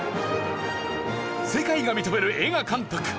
世界が認める映画監督